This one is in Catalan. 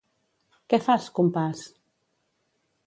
Què fas, compàs?